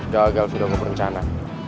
gagal sudah gue perencana